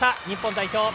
日本代表